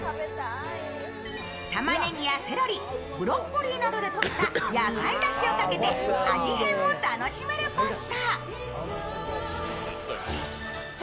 たまねぎやセロリ、ブロッコリーなどでとった野菜だしをかけて味変も楽しめるパスタ。